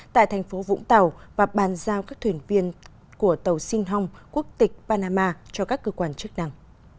tại thành phố vũng tàu và bàn giao các thuyền viên của tàu sinh hong quốc tịch panama cho các cơ quan chức năng